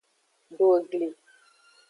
Do egli.